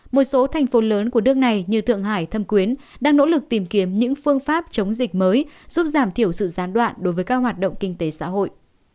một số thành phố lớn của nước này như thượng hải thâm quyến đang nỗ lực tìm kiếm những phương pháp chống dịch mới giúp giảm thiểu sự gián đoạn đối với các hoạt động kinh tế xã hội